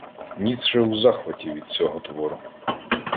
Ніцше у захваті від цього твору.